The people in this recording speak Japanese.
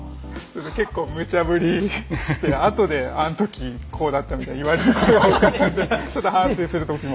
結構むちゃぶりしてあとであのときこうだったみたいに言われることが多かったんでちょっと反省するとこも。